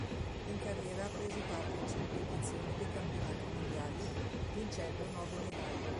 In carriera ha preso parte a cinque edizioni dei Campionati mondiali, vincendo nove medaglie.